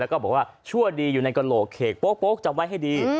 แล้วก็บอกว่าชั่วดีอยู่ในกระโหลกเขกโป๊กจำไว้ให้ดี